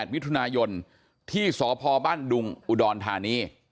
๒๘วิทยุณาหยนต์ที่สพบดุงอุดรฑ์ฐานี